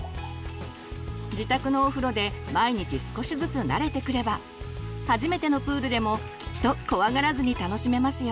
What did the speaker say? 自宅のお風呂で毎日少しずつ慣れてくれば初めてのプールでもきっと怖がらずに楽しめますよ。